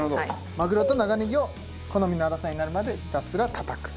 マグロと長ネギを好みの粗さになるまでひたすらたたくと。